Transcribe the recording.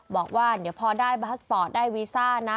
บอกว่าเดี๋ยวพอได้บาสปอร์ตได้วีซ่านะ